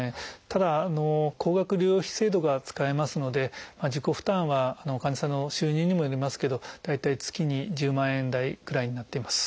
ただ高額療養費制度が使えますので自己負担は患者さんの収入にもよりますけど大体月に１０万円台くらいになっています。